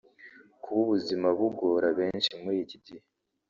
Kuba ubuzima bugora benshi muri iki gihe